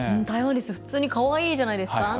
タイワンリス普通にかわいいじゃないですか。